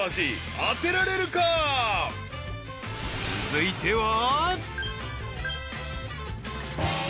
［続いては］